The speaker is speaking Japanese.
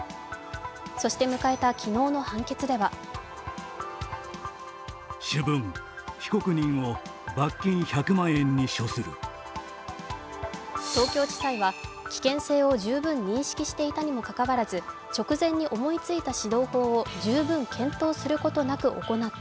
そして迎えた昨日の判決では東京地裁は危険性を十分認識していたにもかかわらず直前に思いついた指導法を十分検討することなく行った。